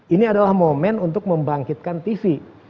ini adalah momen untuk membangkitkan tv